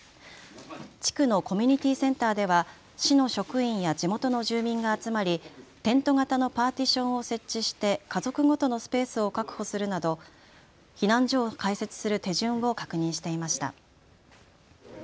地区のコミュニティーセンターでは市の職員や地元の住民が集まりテント型のパーティションを設置して家族ごとのスペースを確保するなど避難所を開設する手順を確認していました。